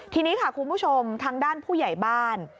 ทีนี้ค่ะคุณผู้ชมทางด้านผู้ใหญ่บ้าน